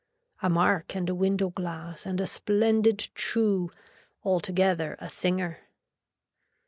A mark and a window glass and a splendid chew, altogether a singer.